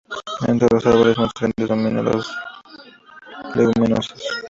Entre los árboles más grandes dominan las leguminosas.